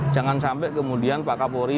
jangan sampai kemudian pak kapolri